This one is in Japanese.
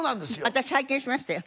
私拝見しましたよ。